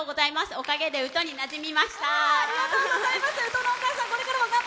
おかげで宇土になじみました！